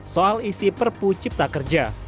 soal isi perpu cipta kerja